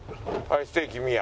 はいステーキ宮。